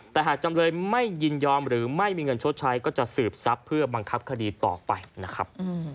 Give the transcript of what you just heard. แต่หากจำเลยไม่ยินยอมหรือไม่มีเงินชดใช้ก็จะสืบทรัพย์เพื่อบังคับคดีต่อไปนะครับ